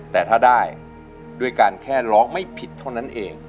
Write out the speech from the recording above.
แต่ถ้าได้ด้วยการแค่ร้องไม่ผิดเท่านั้นเอง